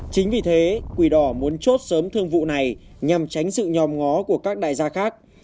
chính vì thế quỷ đỏ muốn chốt sớm thương vụ này nhằm tránh sự nhòm ngó của các đại gia khác